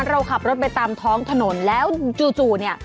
เราขับรถไปตามท้องถนนแล้วจู่เนี่ย